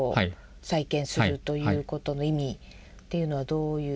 再建するということの意味というのはどういう？